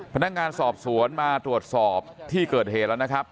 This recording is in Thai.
พนักงานสอบสวนมาตรวจสอบที่เกิดเหตุแล้วนะครับ